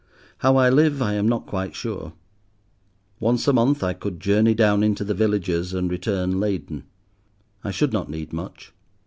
How I live I am not quite sure. Once a month I could journey down into the villages and return laden. I should not need much.